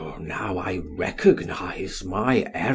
Now I recognize my error.